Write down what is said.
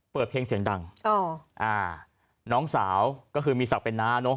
เปิดเพลงเสียงดังอ๋ออ่าน้องสาวก็คือมีศักดิ์เป็นน้าเนอะ